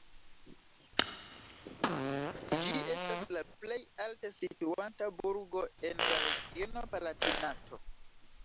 Ĝi estas la plej alte situanta burgo en la regiono Palatinato.